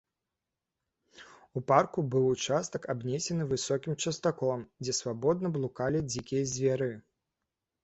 У парку быў участак, абнесены высокім частаколам, дзе свабодна блукалі дзікія звяры.